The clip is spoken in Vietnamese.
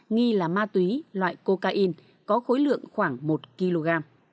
nghi là ma túy loại cocaine có khối lượng khoảng một kg